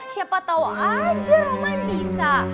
siapa tau aja roman bisa